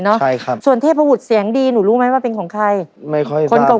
เนาะใช่ครับส่วนเทพบุทธเสียงดีหนูรู้ไหมว่าเป็นของใครไม่ค่อยกลัว